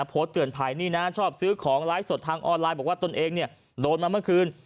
โพสต์เตือนภัยนี่นะชอบซื้อของไลฟ์สดทางออนไลน์บอกว่าตนเองเนี่ยโดนมาเมื่อคืน